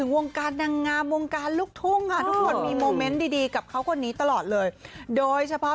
วันนี้ตลอดเลยโดยเฉพาะ